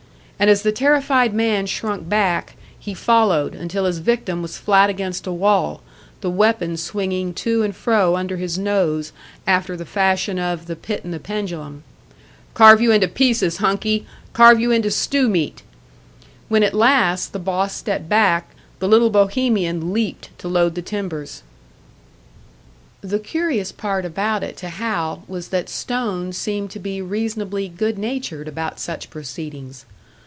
And as the terrified man shrunk back, he followed, until his victim was flat against a wall, the weapon swinging to and fro under his nose after the fashion of "The Pit and the Pendulum." "Carve you into pieces, Hunkie! Carve you into stew meat!" When at last the boss stepped back, the little Bohemian leaped to load the timbers. The curious part about it to Hal was that Stone seemed to be reasonably good natured about such proceedings.